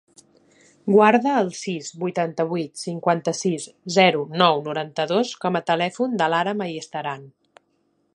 Guarda el sis, vuitanta-vuit, cinquanta-sis, zero, nou, noranta-dos com a telèfon de l'Aram Ayestaran.